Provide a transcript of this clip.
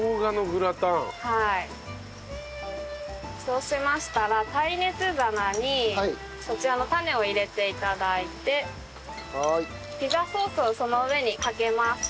そうしましたら耐熱皿にそちらの種を入れて頂いてピザソースをその上にかけます。